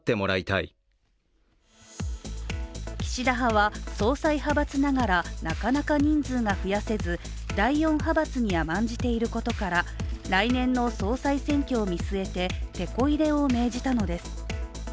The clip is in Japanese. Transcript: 岸田派は総裁派閥ながらなかなか人数が増やせず第４派閥に甘んじていることから来年の総裁選挙を見据えててこ入れを命じたのです。